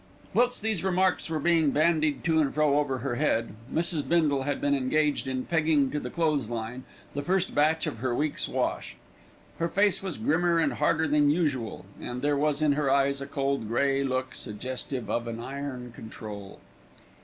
Whilst these remarks were being bandied to and fro over her head, Mrs. Bindle had been engaged in pegging to the clothes line the first batch of her week's wash. Her face was grimmer and harder than usual, and there was in her eyes a cold, grey look, suggestive of an iron control.